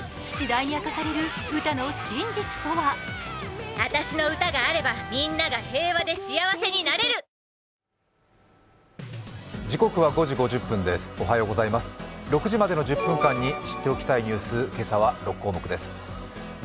次第に明かされる、ウタの真実とは６時までの１０分間に知っておきたいニュース、今朝は６項目です。